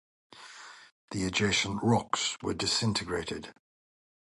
The adjacent rocks were disintegrated.